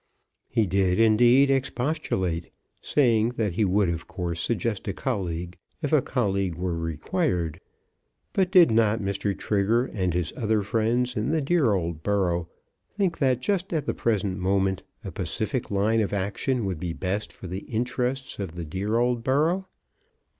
He did, indeed, expostulate, saying, that he would of course suggest a colleague, if a colleague were required; but did not Mr. Trigger and his other friends in the dear old borough think that just at the present moment a pacific line of action would be best for the interests of the dear old borough?